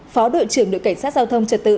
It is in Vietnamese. phó đội trưởng đội cảnh sát giao thông trật tự